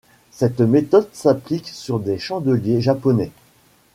Cette méthode s'applique sur les chandeliers japonais.